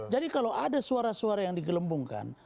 jadi kalau ada suara suara yang dikelembungkan